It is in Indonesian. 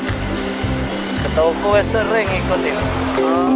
setauku sering ikut ini mas